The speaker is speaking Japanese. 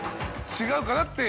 違うかなって。